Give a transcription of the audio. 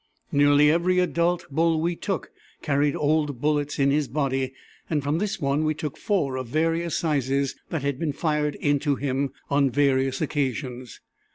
Nearly every adult bull we took carried old bullets in his body, and from this one we took four of various sizes that had been fired into him on various occasions.